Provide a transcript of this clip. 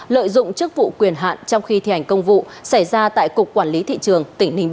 lợi dụng chức vụ quyền hạn trong khi thi hành công vụ xảy ra tại cục quản lý thị trường tỉnh ninh